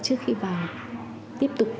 trước khi vào tiếp tục